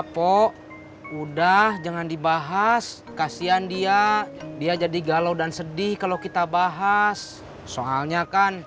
pok udah jangan dibahas kasihan dia dia jadi galau dan sedih kalau kita bahas soalnya kan